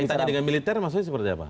bertanya dengan militer maksudnya seperti apa